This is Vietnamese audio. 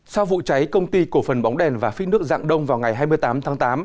sau vụ cháy công ty cổ phần bóng đèn và phít nước dạng đông vào ngày hai mươi tám tháng tám